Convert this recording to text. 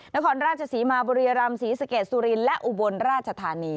นครราชศรีมาบุรีรำศรีสะเกดสุรินและอุบลราชธานี